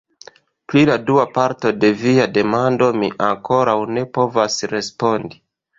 Pri la dua parto de via demando mi ankoraŭ ne povas respondi.